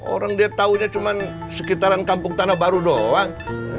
orang dia taunya cuman sekitaran kampung tanah baru doang